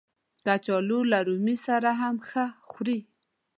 کچالو له رومي سره هم ښه خوري